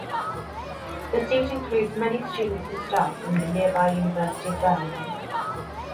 The seat includes many students and staff from the nearby University of Birmingham.